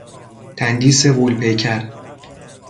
تندیس غول پیکر